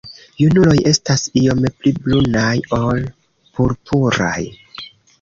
Junuloj estas iom pli brunaj ol purpuraj.